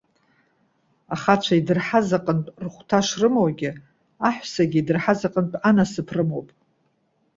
Ахацәа идырҳаз аҟынтә рыхәҭа шрымоугьы, аҳәсагьы идырҳаз аҟынтә анасыԥ рымоуп.